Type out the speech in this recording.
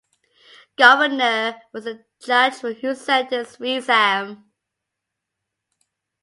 Coughenour was the Judge who sentenced Ressam.